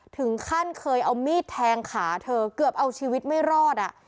ถึงขั้นเคยเอามีดแทงขาเธอเกือบเอาชีวิตไม่รอดอ่ะ